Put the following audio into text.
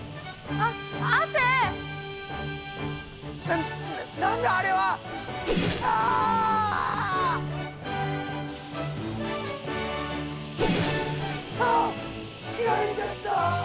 あっ切られちゃった。